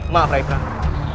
maaf rai prabu